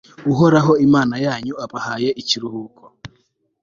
uhoraho, imana yanyu, abahaye ikiruhuko